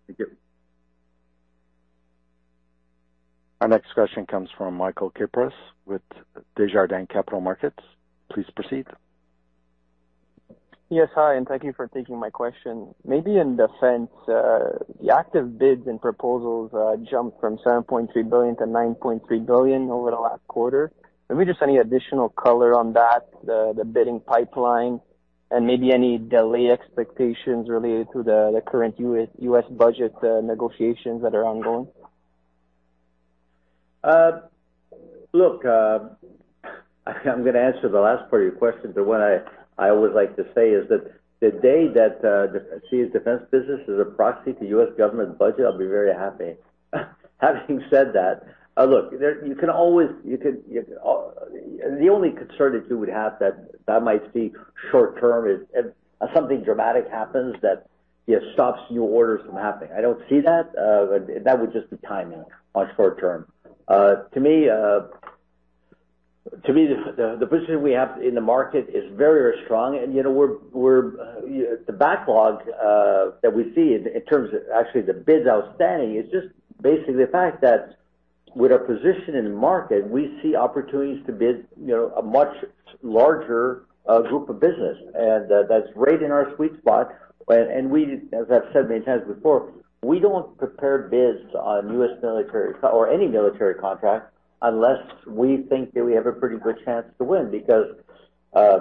Thank you. Our next question comes from Michael Kypreos with Desjardins Capital Markets. Please proceed. Hi, and thank you for taking my question. Maybe in defense, the active bids and proposals jumped from $7.3 billion to $9.3 billion over the last quarter. Maybe just any additional color on that, the bidding pipeline and maybe any delay expectations related to the current U.S. budget negotiations that are ongoing. Look, I'm gonna answer the last part of your question, but what I always like to say is that the day that see a defense business is a proxy to U.S. government budget, I'll be very happy. Having said that, look, you could. The only concern that you would have that might be short term is if something dramatic happens that, it stops new orders from happening. I don't see that, but that would just be timing on short term. To me, the position we have in the market is very, very strong. You know, we're the backlog that we see in terms of actually the bids outstanding, is just basically the fact that with our position in the market, we see opportunities to bid, you know, a much larger group of business, and that's right in our sweet spot. We, as I've said many times before, we don't prepare bids on U.S. military or any military contract unless we think that we have a pretty good chance to win, because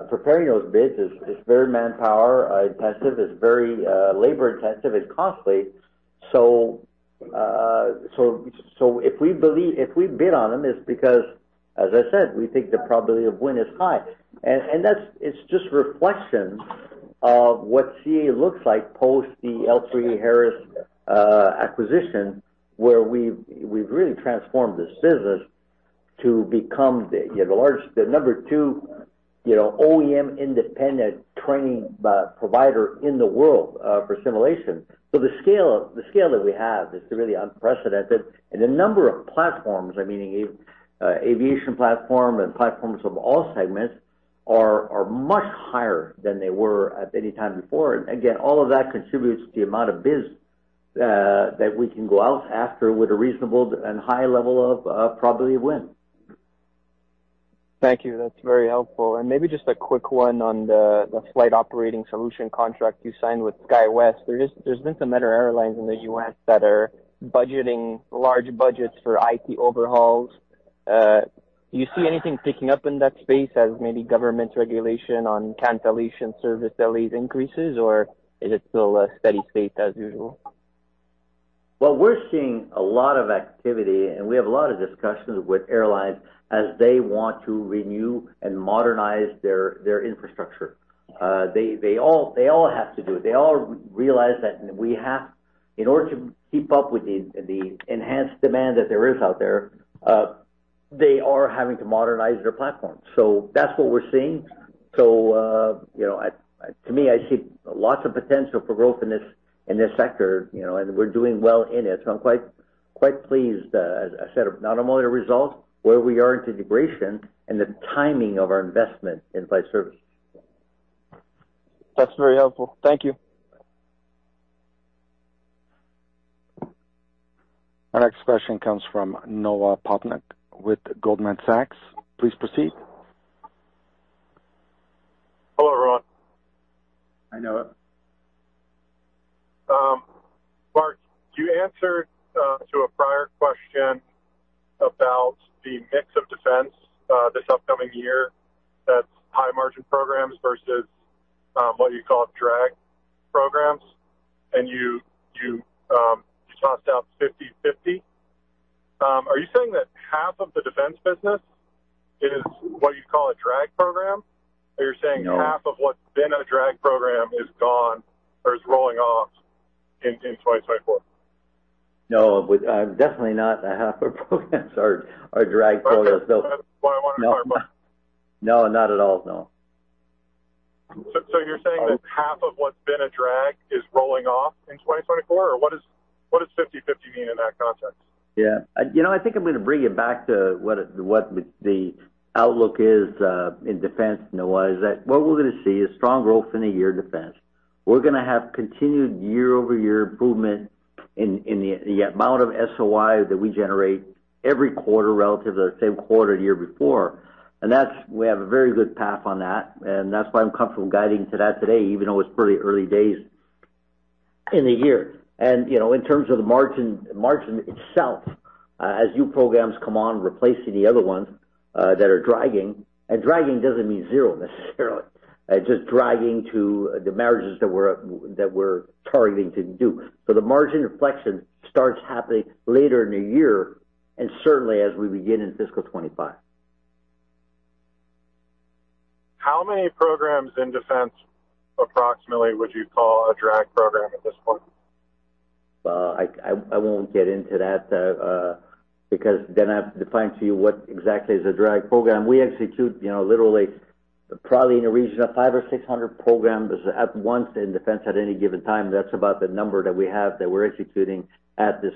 preparing those bids is very manpower intensive, it's very labor intensive, it's costly. If we bid on them, it's because, as I said, we think the probability of win is high. It's just reflection of what CAE looks like post the L3Harris acquisition, where we've really transformed this business to become the, you know, the large, the number 2, you know, OEM independent training provider in the world for simulation. The scale that we have is really unprecedented, and the number of platforms, I mean, a aviation platform and platforms of all segments are much higher than they were at any time before. Again, all of that contributes to the amount of biz that we can go out after with a reasonable and high level of probability of win. Thank you. That's very helpful. Maybe just a quick one on the flight operating solution contract you signed with SkyWest. There's been some other airlines in the US that are budgeting large budgets for IT overhauls. Do you see anything picking up in that space as maybe government regulation on cancellation service delays increases, or is it still a steady state as usual? Well, we're seeing a lot of activity, and we have a lot of discussions with airlines as they want to renew and modernize their infrastructure. They all have to do it. They all realize that we have, in order to keep up with the enhanced demand that there is out there, they are having to modernize their platform. That's what we're seeing. You know, I, to me, I see lots of potential for growth in this, in this sector, you know, and we're doing well in it. I'm quite pleased, as I said, not only the results, where we are in integration and the timing of our investment in flight service. That's very helpful. Thank you. Our next question comes from Noah Poponak with Goldman Sachs. Please proceed. Hello, Ron. Hi, Noah. Marc, you answered to a prior question about the mix of defense this upcoming year. That's high-margin programs versus what you call drag programs, and you tossed out 50/50. Are you saying that half of the defense business is what you call a drag program? Or you're saying? No. half of what's been a drag program is gone or is rolling off in 2024? Definitely not half our programs are drag programs. That's what I wanted to clarify. No, not at all. No. You're saying that half of what's been a drag is rolling off in 2024? What is, what does 50/50 mean in that context? Yeah. You know, I think I'm gonna bring it back to what the outlook is, in defense, Noah, is that what we're gonna see is strong growth in a year defense. We're gonna have continued year-over-year improvement in the amount of SOI that we generate every quarter relative to the same quarter the year before. That's, we have a very good path on that, and that's why I'm comfortable guiding to that today, even though it's pretty early days in the year. You know, in terms of the margin itself, as new programs come on, replacing the other ones, that are dragging, and dragging doesn't mean zero necessarily. Just dragging to the margins that we're, that we're targeting to do. The margin reflection starts happening later in the year, and certainly as we begin in fiscal 2025. How many programs in defense, approximately, would you call a drag program at this point? Well, I won't get into that, because then I have to define to you what exactly is a drag program. We execute, you know, literally, probably in the region of 500 or 600 programs at once in defense at any given time. That's about the number that we have, that we're executing at this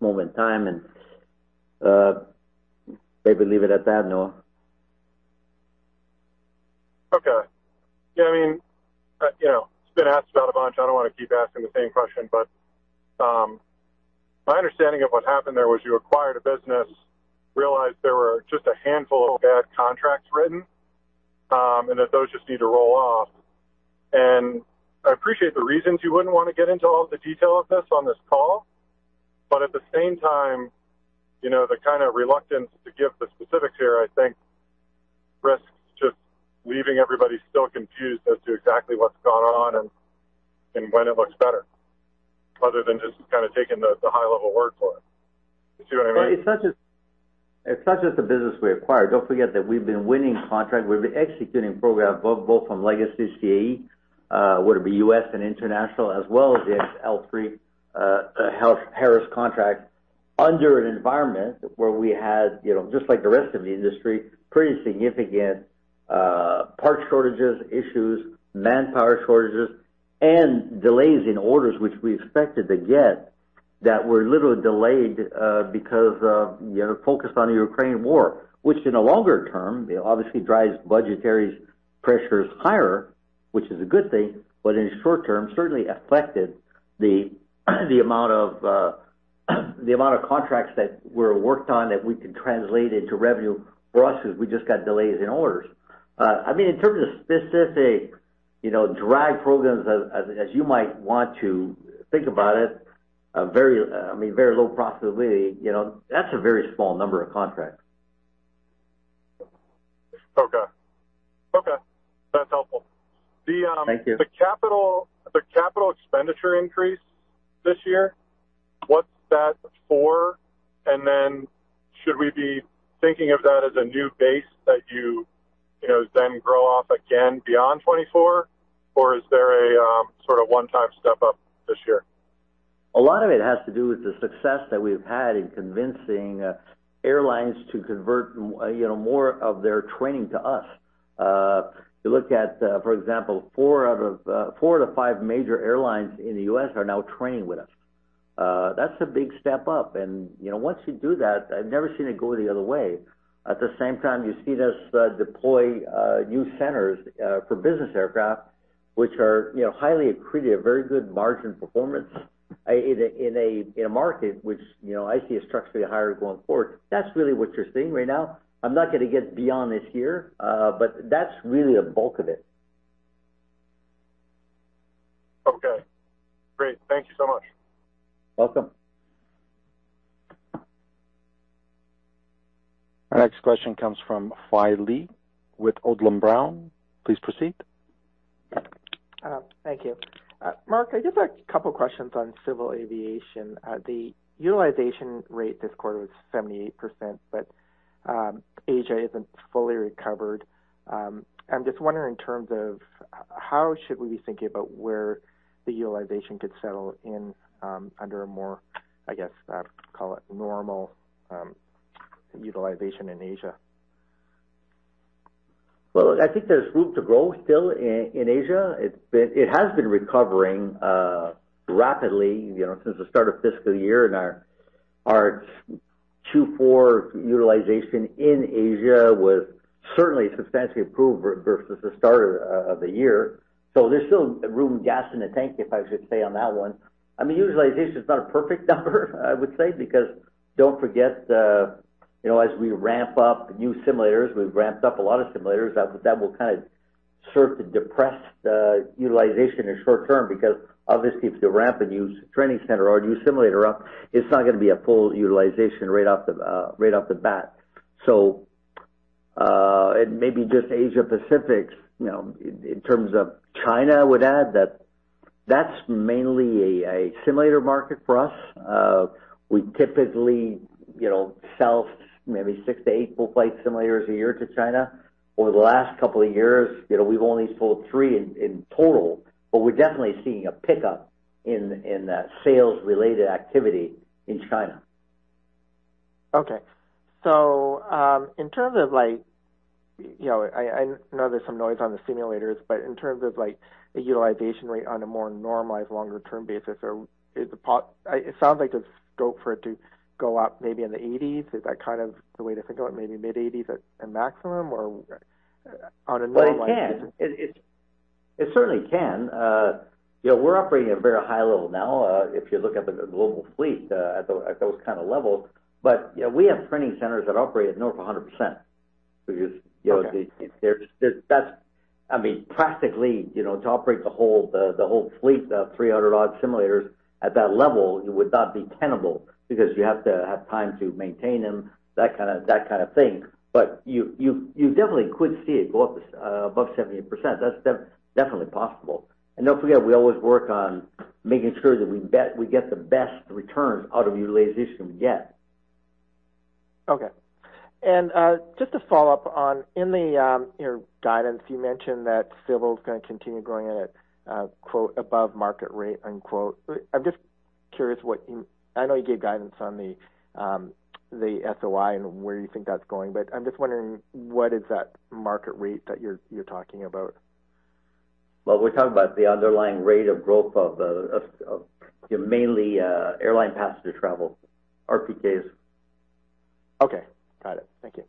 moment in time, maybe leave it at that, Noah. Okay. Yeah, I mean, you know, it's been asked about a bunch. I don't want to keep asking the same question, but, my understanding of what happened there was you acquired a business, realized there were just a handful of bad contracts written, and that those just need to roll off. I appreciate the reasons you wouldn't want to get into all the detail of this on this call, but at the same time, you know, the kind of reluctance to give the specifics here, I think risks just leaving everybody still confused as to exactly what's going on and when it looks better, other than just kind of taking the high level word for it. Do you see what I mean? It's not just the business we acquired. Don't forget that we've been winning contracts. We've been executing programs both from legacy CAE, whether it be U.S. and international, as well as the L3Harris contract, under an environment where we had, you know, just like the rest of the industry, pretty significant part shortages, issues, manpower shortages, and delays in orders, which we expected to get, that were literally delayed, because of, you know, focus on the Ukraine war. Which in the longer term, it obviously drives budgetary pressures higher, which is a good thing, but in the short term, certainly affected the amount of contracts that were worked on that we could translate into revenue for us, as we just got delays in orders. I mean, in terms of specific, you know, drag programs as you might want to think about it, a very, I mean, very low profitability, you know, that's a very small number of contracts. That's helpful. The Thank you. The capital expenditure increase this year, what's that for? Should we be thinking of that as a new base that you know, then grow off again beyond 2024, or is there a sort of one-time step up this year? A lot of it has to do with the success that we've had in convincing airlines to convert, you know, more of their training to us. If you look at, for example, four out of four out of five major airlines in the U.S. are now training with us. That's a big step up, and, you know, once you do that, I've never seen it go the other way. At the same time, you see us deploy new centers for business aircraft, which are, you know, highly accretive, very good margin performance, in a market which, you know, I see as structurally higher going forward. That's really what you're seeing right now. I'm not gonna get beyond this year, but that's really the bulk of it. Okay, great. Thank you so much. Welcome. Our next question comes from Fai Lee with Odlum Brown. Please proceed. Thank you. Marc, I just have a couple of questions on civil aviation. The utilization rate this quarter was 78%, but Asia isn't fully recovered. I'm just wondering, in terms of how should we be thinking about where the utilization could settle in, under a more, I guess, call it, normal utilization in Asia? Well, I think there's room to grow still in Asia. It has been recovering rapidly, you know, since the start of fiscal year, and our Q4 utilization in Asia was certainly substantially improved versus the start of the year. There's still room, gas in the tank, if I should say, on that one. I mean, utilization is not a perfect number, I would say, because don't forget, you know, as we ramp up new simulators, we've ramped up a lot of simulators, that will kind of serve to depress the utilization in the short term, because obviously, if you ramp a new training center or a new simulator up, it's not gonna be a full utilization right off the bat. It may be just Asia Pacific, you know, in terms of China, I would add that that's mainly a simulator market for us. We typically, you know, sell maybe six to eight full-flight simulators a year to China. Over the last couple of years, you know, we've only sold three in total, but we're definitely seeing a pickup in the sales-related activity in China. Okay. In terms of like, you know, I know there's some noise on the simulators, but in terms of like the utilization rate on a more normalized, longer term basis, it sounds like the scope for it to go up maybe in the 80s. Is that kind of the way to think about it, maybe mid-80s at a maximum or on a normal? It certainly can. You know, we're operating at a very high level now, if you look at the global fleet, at those kind of levels. Yeah, we have training centers that operate at north of 100%. Okay. I mean, practically, you know, to operate the whole fleet of 300 odd simulators at that level, it would not be tenable because you have to have time to maintain them, that kind of, that kind of thing. You definitely could see it go up above 78%. That's definitely possible. Don't forget, we always work on making sure that we get the best returns out of utilization we can get. Okay. just to follow up on, in the, you know, guidance, you mentioned that Civil is gonna continue growing at a "above market rate," I'm just curious what I know you gave guidance on the SOI and where you think that's going, but I'm just wondering, what is that market rate that you're talking about? Well, we're talking about the underlying rate of growth of mainly airline passenger travel, RPKs. Okay, got it. Thank you.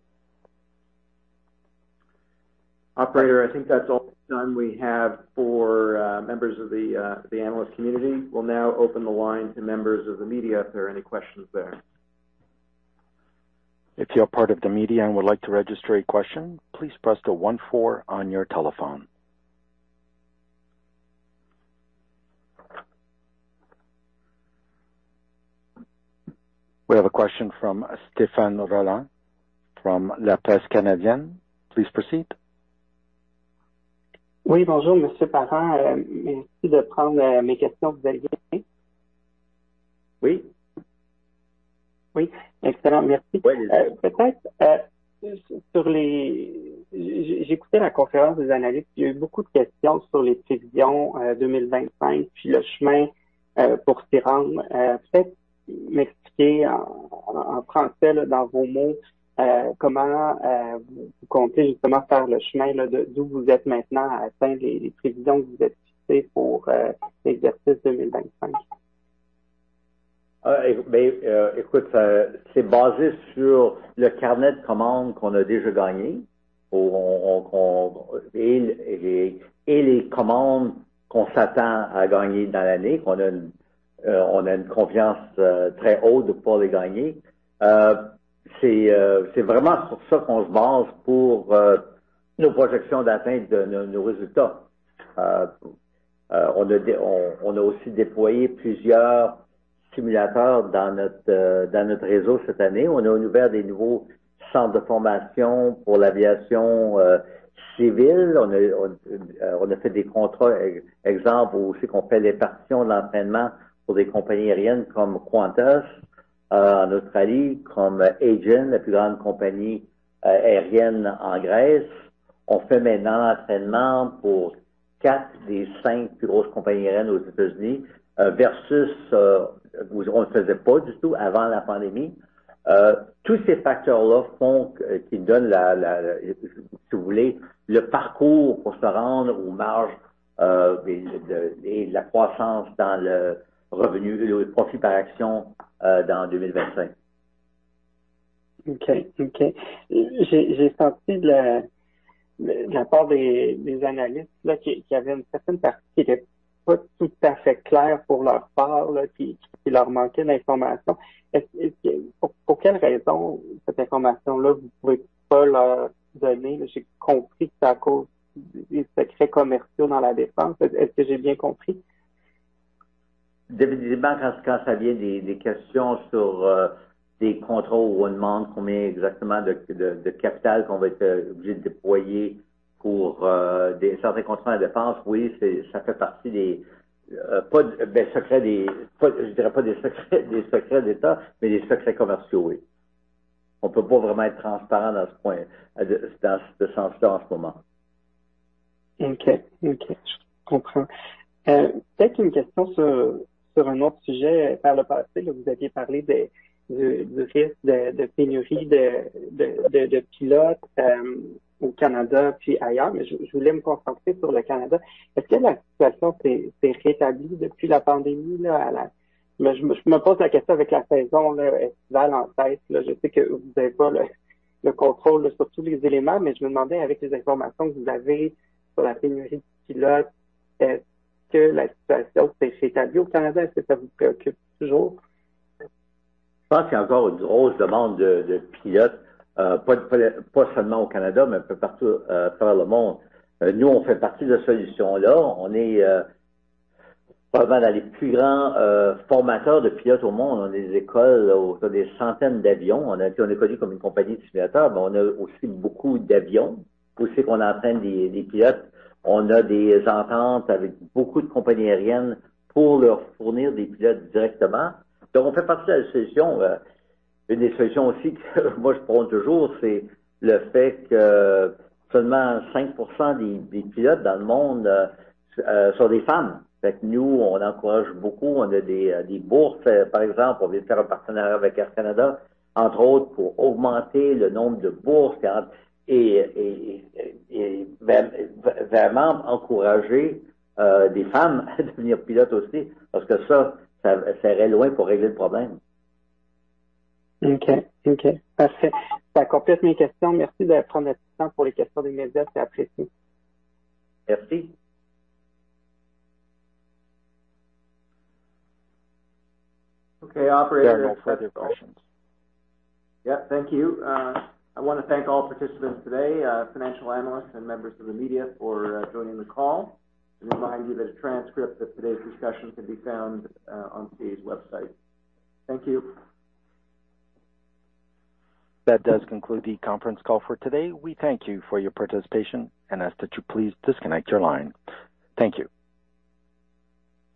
Operator, I think that's all the time we have for members of the analyst community. We'll now open the line to members of the media, if there are any questions there. If you are part of the media and would like to register a question, please press the one four on your telephone. We have a question from Stéphane Rolland, from La Presse Canadienne. Please proceed. Uh, but, uh, on a aussi déployé plusieurs simulateurs dans notre réseau cette année. On a ouvert des nouveaux centres de formation pour l'aviation civile. On a fait des contrats, exemple, où aussi qu'on fait les partitions de l'entraînement pour des compagnies aériennes comme Qantas en Australie, comme AEGEAN, la plus grande compagnie aérienne en Grèce. On fait maintenant l'entraînement pour 4 des 5 plus grosses compagnies aériennes aux États-Unis, versus, on ne faisait pas du tout avant la pandémie. Tous ces facteurs-là font que, qui donnent la, si vous voulez, le parcours pour se rendre aux marges de et de la croissance dans le revenu, le profit par action dans 2025. OK. J'ai senti de la part des analystes, là, qu'il y avait une certaine partie qui n'était pas tout à fait claire pour leur part, là, qui leur manquait d'informations. Est-ce que, pour quelles raisons, cette information-là, vous pouvez pas leur donner? J'ai compris que c'est à cause des secrets commerciaux dans la défense. Est-ce que j'ai bien compris? Définitivement, quand ça vient des questions sur des contrats où on demande combien exactement de capital qu'on va être obligé de déployer pour des certains contrats de défense, oui, ça fait partie des, je dirais pas des secrets, des secrets d'État, mais des secrets commerciaux, oui. On peut pas vraiment être transparent dans ce sens-là, en ce moment. OK, je comprends. Peut-être une question sur un autre sujet. Par le passé, vous aviez parlé du risque de pénurie de pilotes au Canada, puis ailleurs, je voulais me concentrer sur le Canada. Est-ce que la situation s'est rétablie depuis la pandémie? Je me pose la question avec la saison estivale en tête. Je sais que vous n'avez pas le contrôle sur tous les éléments, je me demandais, avec les informations que vous avez sur la pénurie de pilotes, est-ce que la situation s'est rétablie au Canada? Est-ce que ça vous préoccupe toujours? Je pense qu'il y a encore une grosse demande de pilotes, pas seulement au Canada, mais un peu partout à travers le monde. Nous, on fait partie de la solution là. On est probablement dans les plus grands formateurs de pilotes au monde. On a des écoles, on fait des centaines d'avions. On est connu comme une compagnie de simulateurs, mais on a aussi beaucoup d'avions. Aussi, qu'on entraîne des pilotes. On a des ententes avec beaucoup de compagnies aériennes pour leur fournir des pilotes directement. Donc, on fait partie de la solution. Une des solutions aussi, moi, je pense toujours, c'est le fait que seulement 5% des pilotes dans le monde sont des femmes. Ça fait que nous, on encourage beaucoup. On a des bourses, par exemple, on vient de faire un partenariat avec Air Canada, entre autres, pour augmenter le nombre de bourses et vraiment encourager des femmes à devenir pilotes aussi, parce que ça irait loin pour régler le problème. OK. Parfait. Ça complète mes questions. Merci d'être prendre le temps pour les questions des médias. C'est apprécié. Merci. OK, Operator. Thank you. I want to thank all participants today, financial analysts and members of the media, for joining the call. Remind you that a transcript of today's discussion can be found on CAE's website. Thank you. That does conclude the conference call for today. We thank you for your participation and ask that you please disconnect your line. Thank you.